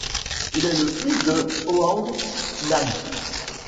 Il est le fils de Hoang Nam.